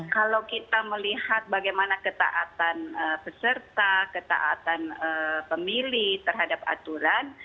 kalau kita melihat bagaimana ketaatan peserta ketaatan pemilih terhadap aturan